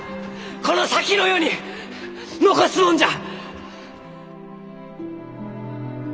この先の世に残すもんじゃ！